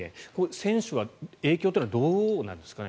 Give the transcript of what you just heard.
選手は影響というのはどうなんですかね。